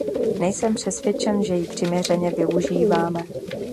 Nejsem přesvědčen, že ji přiměřeně využíváme.